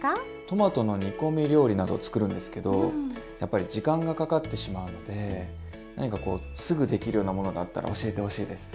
トマトの煮込み料理など作るんですけどやっぱり時間がかかってしまうので何かこうすぐできるようなものがあったら教えてほしいです。